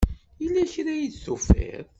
Yella kra ay d-tufiḍ?